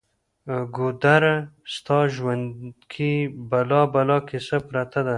ګودره! ستا ژوند کې بلا بلا کیسه پرته ده